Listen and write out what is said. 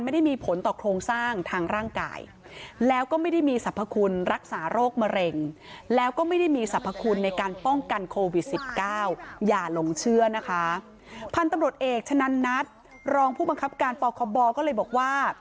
ไม่มีสรรพคุณในการป้องกันโควิด๑๙อย่าลงเชื่อนะคะพันธุ์ตำรวจเอกฉะนั้นนัดรองผู้บังคับการปคบก็เลยบอกว่า